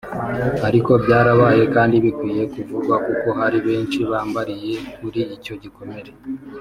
ariko byarabaye kandi bikwiye kuvugwa kuko hari benshi bambariye kuri icyo gikomere